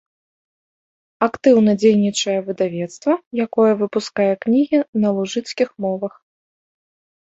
Актыўна дзейнічае выдавецтва, якое выпускае кнігі на лужыцкіх мовах.